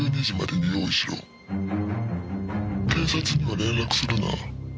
「警察には連絡するな」